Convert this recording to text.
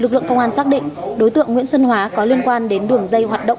lực lượng công an xác định đối tượng nguyễn xuân hóa có liên quan đến đường dây hoạt động